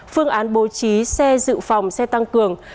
phương án bố trí xe dự phòng xe tăng cường